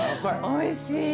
おいしいね。